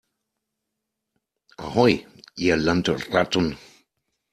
Ahoi, ihr Landratten!